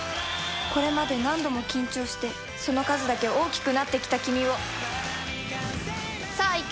これまで何度も緊張してその数だけ大きくなってきたキミをさぁいけ！